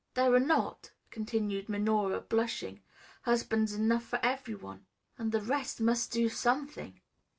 "There are not," continued Minora, blushing, "husbands enough for every one, and the rest must do something."